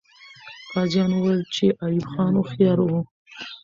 غازیان وویل چې ایوب خان هوښیار وو.